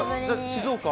静岡？